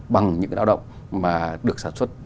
bằng những lao động mà được sản xuất